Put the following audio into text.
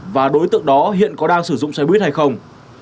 và đối tượng đó hiện có đang sử dụng xe buýt hay không